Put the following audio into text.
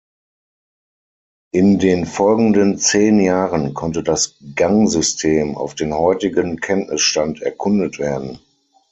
In den folgenden zehn Jahren konnte das Gangsystem auf den heutigen Kenntnisstand erkundet werden.